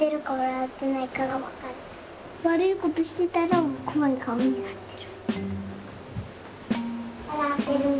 悪いことしてたら怖い顔になってる。